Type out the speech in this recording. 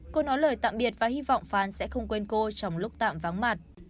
cô nói lời tạm biệt và hy vọng phán sẽ không quên cô trong lúc tạm vắng mặt